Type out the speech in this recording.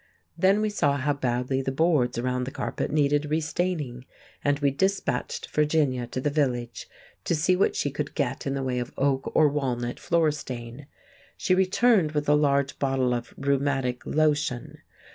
Then we saw how badly the boards around the carpet needed re staining, and we dispatched Virginia to the village to see what she could get in the way of oak or walnut floor stain. She returned with a large bottle of rheumatic lotion.